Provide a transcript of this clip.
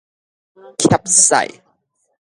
㾀屎